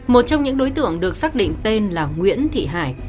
một trong những đối tượng được xác định tên là nguyễn thị hải